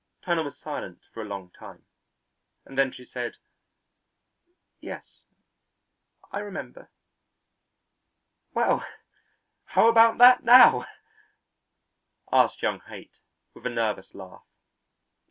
Turner was silent for a long time, and then she said: "Yes, I remember." "Well, how about that now?" asked young Haight with a nervous laugh.